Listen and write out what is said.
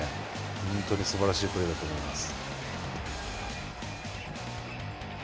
本当にすばらしいプレーだと思います。